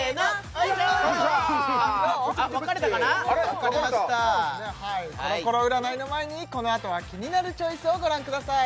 はいコロコロ占いの前にこのあとはキニナルチョイスをご覧ください